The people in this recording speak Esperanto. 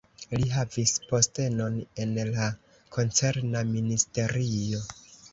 Li havis postenon en la koncerna ministerio.